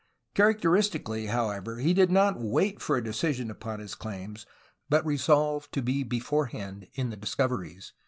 Characteristically, how ever, he did not wait for a decision upon his claims, but resolved to be beforehand in the discoveries.